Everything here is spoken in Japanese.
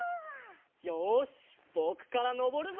よしぼくからのぼるぞ！